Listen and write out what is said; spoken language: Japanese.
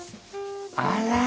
あら。